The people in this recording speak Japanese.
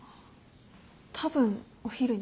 たぶんお昼に。